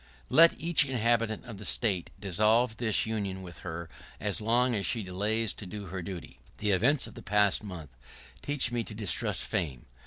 [¶39] Let each inhabitant of the State dissolve his union with her, as long as she delays to do her duty. [¶40] The events of the past month teach me to distrust Fame.